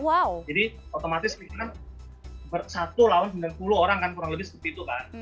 jadi otomatis ber satu lawan sembilan puluh orang kan kurang lebih seperti itu kan